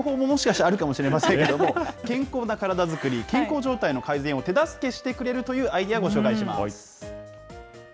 そういう健康法ももしかしたらあるかもしれませんけれども、健康な体作り、健康状態を改善を手助けしてくれるというアイデア、ご紹介します。